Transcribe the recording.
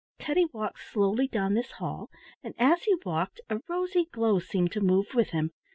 Teddy walked slowly down this hall, and as he walked a rosy glow seemed to move with him.